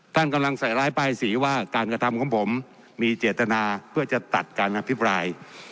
ท่านกำลังใส่ร้ายป้ายสีว่าการกระทำของผมมีเจตนาเพื่อจะตัดการอภิปราย